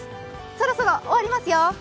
そろそろ終わりますよ。